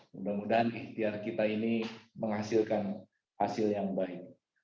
mudah mudahan ikhtiar kita ini menghasilkan hasil yang baik